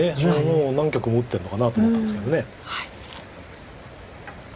もう何局も打ってるのかなと思ったんですけど。